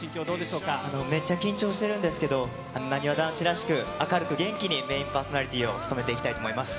めっちゃ緊張してるんですけど、なにわ男子らしく、明るく元気に、メインパーソナリティーを務めていきたいと思います。